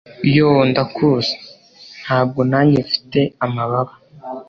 yoo! ndakuzi, ntabwo nanjye mfite amababa